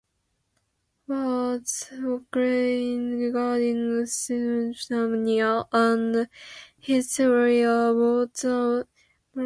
Hoffer's claims regarding schizophrenia and his theories of orthomolecular medicine have been criticized.